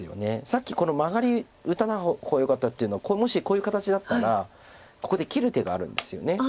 さっきこのマガリ打たない方がよかったっていうのはこれもしこういう形だったらここで切る手があるんですよね。